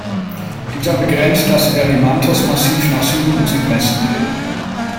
Dieser begrenzt das Erymanthos-Massiv nach Süden und Südwesten hin.